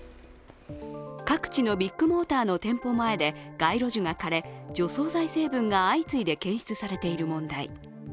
各地のビッグモーターの店舗前で街路樹が枯れ除草剤成分が相次いで検出されている問題。